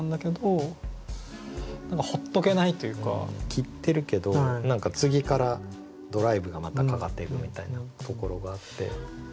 切ってるけど何か次からドライブがまたかかっていくみたいなところがあって。